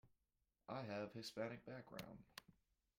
I have a Hispanic background